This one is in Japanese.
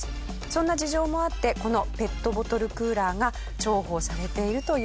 そんな事情もあってこのペットボトルクーラーが重宝されているというわけなんですね。